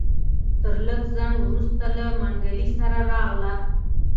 تر لږ ځنډ وروسته له منګلي سره راغله.